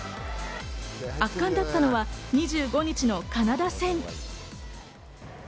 圧巻だったのは２５日のカナダ戦。